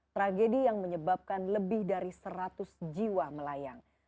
tragedi yang menyebabkan lebih dari seratus jiwa melayang